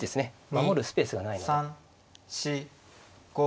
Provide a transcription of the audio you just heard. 守るスペースがないので。